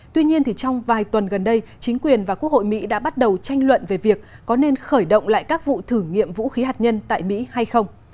tuy nhiên trong vài tuần gần đây chính quyền và quốc hội mỹ đã bắt đầu tranh luận về việc có nên khởi động lại các vụ thử nghiệm vũ khí hạt nhân tại mỹ hay không